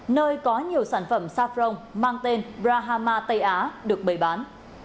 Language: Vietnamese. nơi có nhiều sản phẩm saffron mang tên brahma tây á được bày bán